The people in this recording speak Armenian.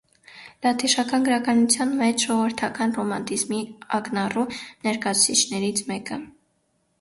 Լատիշական գրականության մեջ ժողովրդական ռոմանտիզմի ակնառու ներկայացուցիչներից մեկը։